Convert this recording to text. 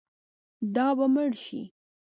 دا به مړ شي.